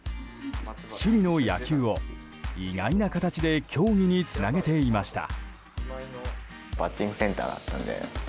趣味の野球を意外な形で競技につなげていました。